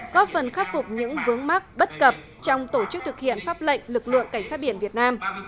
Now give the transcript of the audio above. góp phần khắc phục những vướng mắc bất cập trong tổ chức thực hiện pháp lệnh lực lượng cảnh sát biển việt nam